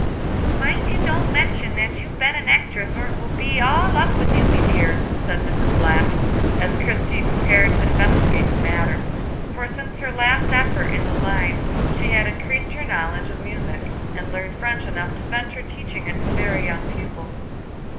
"Mind you don't mention that you've been an actress or it will be all up with you, me dear," said Mrs. Black, as Christie prepared to investigate the matter, for since her last effort in that line she had increased her knowledge of music, and learned French enough to venture teaching it to very young pupils.